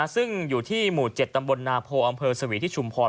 ซึ่งอยู่ที่หมู่๗ตำบลนาโพอำเภอสวีที่ชุมพร